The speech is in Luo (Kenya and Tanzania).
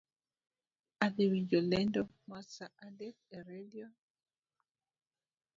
Adhii winjo lendo mar saa adek e radio